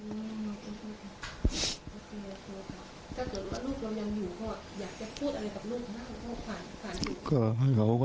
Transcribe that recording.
อยากจะพูดอะไรกับลูกของพ่อครับ